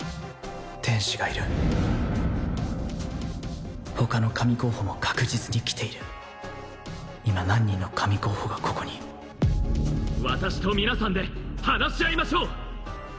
天使がいる他の神候補も確実に来ている今何人の神候補がここに私と皆さんで話し合いましょう！